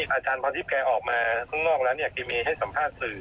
อาจารย์พรทิพย์แกออกมาข้างนอกแล้วเนี่ยกิเมย์ให้สัมภาษณ์สื่อ